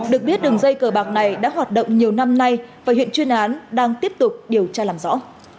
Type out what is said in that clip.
được biết đường dây cờ bạc này đã hoạt động nhiều năm nay và hiện chuyên án đang tiếp tục điều tra làm rõ